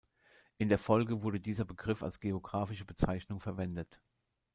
In der Folge wurde dieser Begriff als geographische Bezeichnung verwendet.